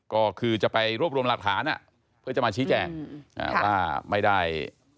ก็คือจะไปรวบรวมหลักฐานเพื่อจะมาชี้แจงว่าไม่ได้